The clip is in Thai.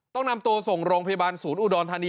ต้องนำตัวส่งโรงพยาบาลศูนย์อุดรธานี